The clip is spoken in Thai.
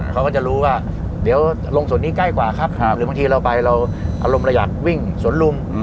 เขาก็จะรู้ว่าเดี๋ยวลงส่วนนี้ใกล้กว่าครับหรือบางทีเราไปเราอารมณ์เราอยากวิ่งสวนลุม